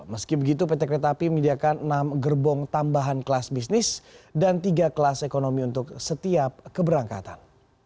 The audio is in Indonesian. meski begitu pt kereta api menyediakan enam gerbong tambahan kelas bisnis dan tiga kelas ekonomi untuk setiap keberangkatan